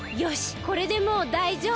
これでもうだいじょう。